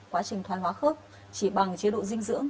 quá trình thoáng hóa khớp chỉ bằng chế độ dinh dưỡng